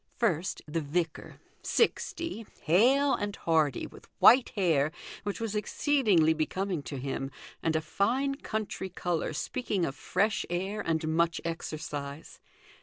First, the vicar, sixty, hale and hearty, with white hair, which was exceedingly becoming to him, and a fine country colour speaking of fresh air and much exercise.